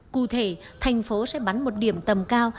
cụ thể thành phố sẽ bắn một điểm tầm cao